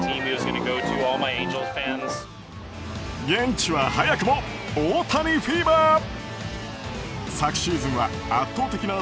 現地は早くも大谷フィーバー。